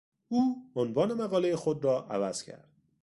او عنوان مقالهی خود را عوض کرد.